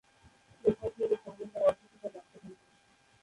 এরপর থেকে ক্রমেই তাঁর অসুস্থতা বাড়তে থাকে।